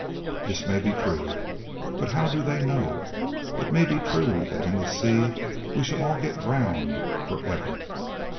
This may be true, but how do they know? It may be true that in the sea we shall all get drowned for ever.